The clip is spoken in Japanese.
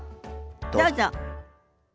どうぞ。